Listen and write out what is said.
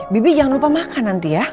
bibi jangan lupa makan nanti ya